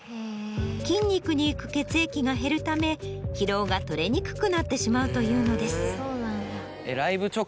筋肉に行く血液が減るため疲労が取れにくくなってしまうというのです。